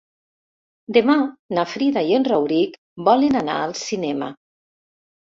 Demà na Frida i en Rauric volen anar al cinema.